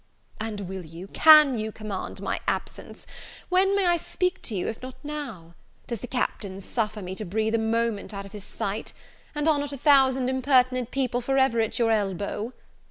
"And will you, can you command my absence? When may I speak to you, if not now? Does the Captain suffer me to breathe a moment out of his sight? and are not a thousand impertinent people for ever at your elbow?"